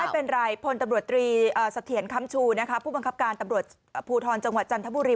ไม่เป็นไรพลตำรวจตรีเสถียรคำชูผู้บังคับการตำรวจภูทรจังหวัดจันทบุรี